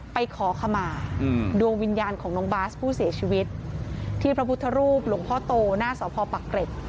ไปขอขมาดวงวิญญาณของน้องบาสผู้เสียชีวิตที่พระพุทธรูปหลวงพ่อโตหน้าสพปักเกร็ด